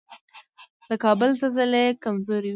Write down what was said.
د کابل زلزلې کمزورې وي